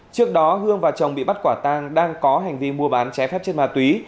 trước đó hương và chồng bị bắt quả tang đang có hành vi mua bán trái phép chất ma túy